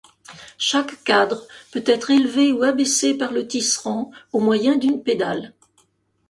Chaque cadre peut être élevé où abaissé par le tisserand au moyen d'une pédale.